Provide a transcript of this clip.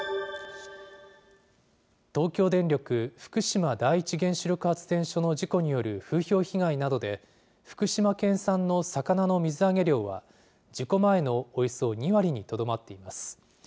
東京電力福島第一原子力発電所の事故による風評被害などで、福島県産の魚の水揚げ量は、事故前のおよそ２割にとどまっています。